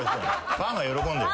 ファンが喜んでる。